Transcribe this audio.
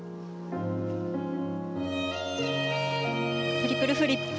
トリプルフリップ。